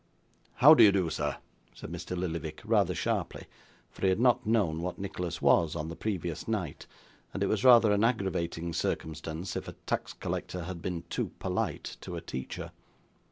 'How do you do, sir?' said Mr. Lillyvick rather sharply; for he had not known what Nicholas was, on the previous night, and it was rather an aggravating circumstance if a tax collector had been too polite to a teacher.